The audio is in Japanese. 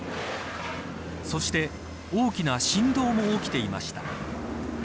そして、大きな振動も起きていました。